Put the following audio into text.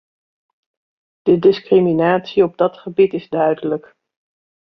De discriminatie op dat gebied is duidelijk.